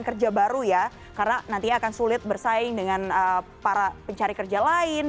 kerja baru ya karena nantinya akan sulit bersaing dengan para pencari kerja lain